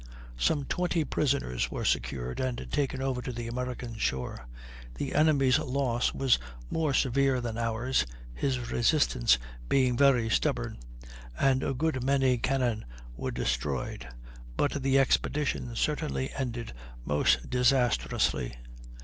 Some twenty prisoners were secured and taken over to the American shore; the enemy's loss was more severe than ours, his resistance being very stubborn, and a good many cannon were destroyed, but the expedition certainly ended most disastrously.